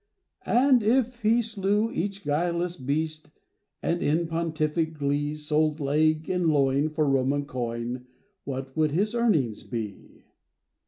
And if he slew each guileless beast, And in pontific glee Sold leg and loin for Roman coin, What would his earnings be?